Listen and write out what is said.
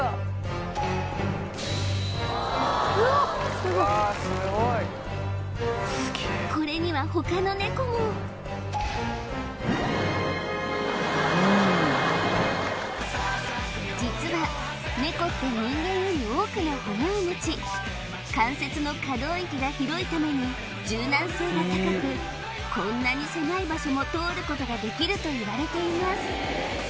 すごいわあすごいこれには他のネコも実はネコって人間より多くの骨を持ち関節の可動域が広いために柔軟性が高くこんなに狭い場所も通ることができるといわれています